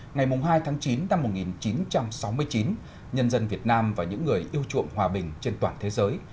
ngày hai tháng chín năm một nghìn chín trăm sáu mươi chín nhân dân việt nam và những người yêu chuộng hòa bình trên toàn thế giới